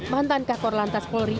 mantan kakor lantas polri